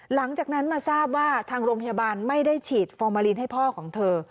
หลังจากนั้นมาทราบว่าทางโรงพยาบาลไม่ได้ฉีดฟอร์มาลีนให้พ่อของเธอ